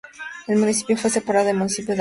El municipio fue separado del municipio de Almas.